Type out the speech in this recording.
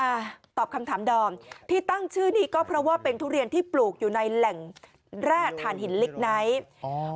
ตอบคำถามดอมที่ตั้งชื่อนี้ก็เพราะว่าเป็นทุเรียนที่ปลูกอยู่ในแหล่งแร่ฐานหินลิกไนท์อ๋อ